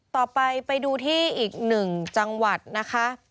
ต่อไปไปดูที่อีก๑จังหวัดนะคะ